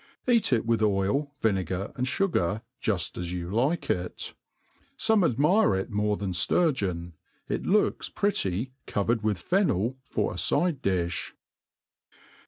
Eat it with oil, vinegar, and fugar, juit as you like it. Some admire it more than fturg^on ; it look^ pretty covered with fennel for a fide dilh.